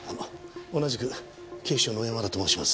同じく警視庁の小山田と申します。